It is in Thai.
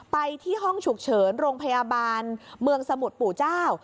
ไปที่ห้องฉุกเฉินโรงพยาบาลเมืองสมุทรปู่เจ้า